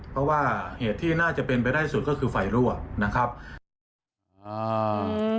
เพราะว่าเหตุที่น่าจะเป็นไปได้สุดก็คือไฟรั่วนะครับอ่าอืม